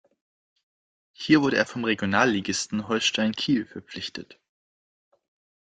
Hier wurde er vom Regionalligisten Holstein Kiel verpflichtet.